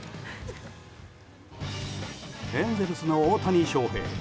エンゼルスの大谷選手。